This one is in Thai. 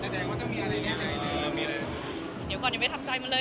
เดี๋ยวก่อนยังไม่ทำใจมาเลย